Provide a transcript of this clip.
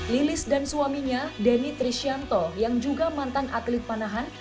lilis dan suaminya denny trisyanto yang juga mantan atlet panahan